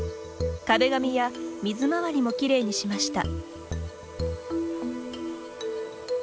壁紙や水回りもきれいにしました。